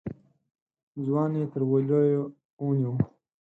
ځوان يې تر وليو ونيو.